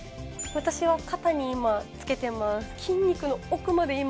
私は肩に今つけてます